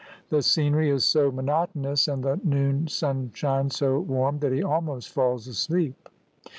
The scenery is so monotonous and the noon sunshine so warm that he almost falls asleep.